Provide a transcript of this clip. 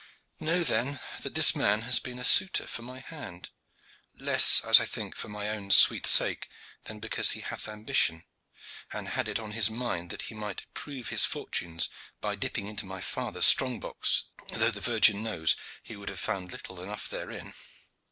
Know then that this man has been a suitor for my hand, less as I think for my own sweet sake than because he hath ambition and had it on his mind that he might improve his fortunes by dipping into my father's strong box though the Virgin knows that he would have found little enough therein.